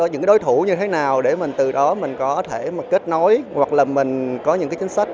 những đối thủ như thế nào để từ đó mình có thể kết nối hoặc là mình có những chính sách